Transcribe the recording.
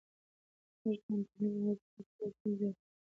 موږ د انټرنیټ په مرسته خپلې ستونزې حل کوو.